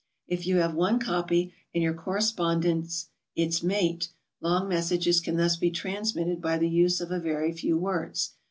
If. you have one copy and your correspondent its mate, lon*g messages can thus be transmitted by the use of a very few words.